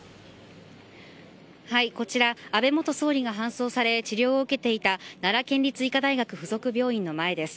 はい、こちら、安倍元総理が搬送され治療を受けていた奈良県立医科大学附属病院の前です。